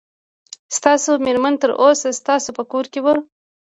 ستاسو مېرمن تر اوسه ستاسو په کور کې وه.